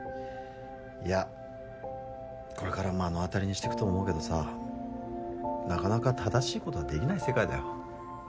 いやこれから目の当たりにしてくと思うけどさなかなか正しいことはできない世界だよ。